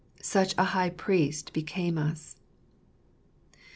" Such a High Priest became us."